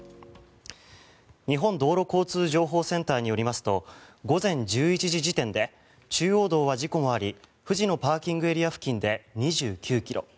日本道路交通情報センターによりますと午前１１時時点で中央道は事故があり藤野ＰＡ付近で２９ｋｍ